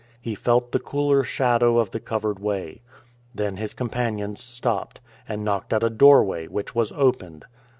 He felt the cooler shadow of the covered way. Then his companions stopped, and knocked at a doorway, which was opened.